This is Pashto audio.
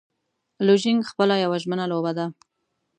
لوژینګ خپله یوه ژمنی لوبه ده.